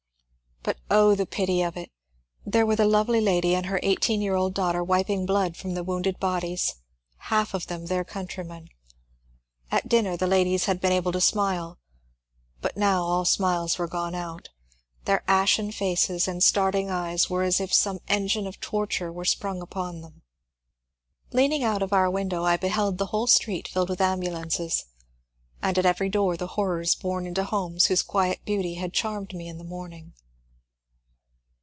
But oh, the pity of it ! There were the lovely lady and her eighteen year old daughter wiping blood from the wounded bodies, half of them their countrymen. At dinner the ladies 238 MONCURE DANIEL CONWAY had been able to smile, but now all smiles were gone out : their ashen faces and starting eyes were as if some engine of tor ture were sprung on them. Leaning out of our window I beheld the whole street filled with ambulances, and at every door the horrors borne into homes whose quiet beauty had charmed me in the morn ing.